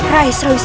raih seru sesat